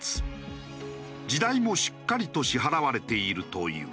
地代もしっかりと支払われているという。